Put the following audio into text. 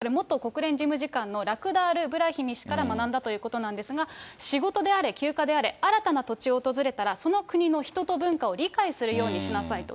見習い調停官時代に学んだのが、調停官として重要な心得、これ、元国連事務次長のラクダール・ブラヒミ氏から学んだということなんですが、仕事であれば、休暇であれ、新たな土地であれ、訪れたらその国の人と文化を理解するようにしなさいと。